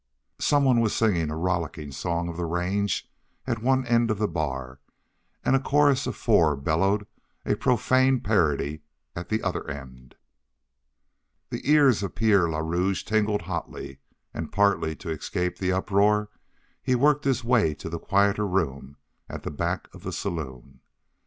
Someone was singing a rollicking song of the range at one end of the bar, and a chorus of four bellowed a profane parody at the other end. The ears of Pierre le Rouge tingled hotly, and partly to escape the uproar he worked his way to the quieter room at the back of the saloon.